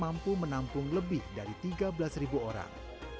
mampu menampung lebih dari tiga belas orang